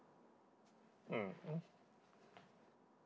うん？